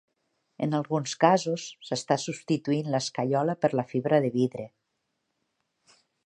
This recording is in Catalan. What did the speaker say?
En alguns casos s'està substituint l'escaiola per la fibra de vidre.